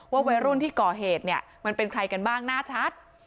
วัยรุ่นที่ก่อเหตุเนี่ยมันเป็นใครกันบ้างน่าชัด